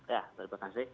ya terima kasih